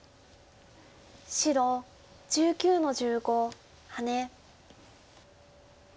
白１９の十五ハネ。